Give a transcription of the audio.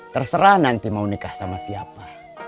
terserah nanti mau nikah sama siapa